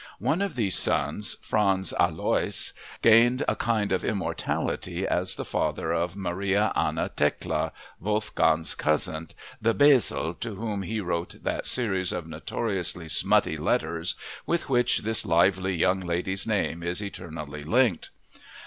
One of these sons, Franz Aloys, gained a kind of immortality as the father of Maria Anna Thekla, Wolfgang's cousin, the "Bäsle," to whom he wrote that series of notoriously smutty letters with which this lively young lady's name is eternally linked.